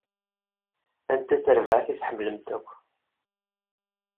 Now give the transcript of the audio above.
Anta tarbaɛt i tḥemmlemt akk?